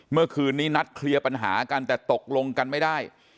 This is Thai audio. เมื่อคืนนี้นัดเคลียร์ปัญหากันแต่ตกลงกันไม่ได้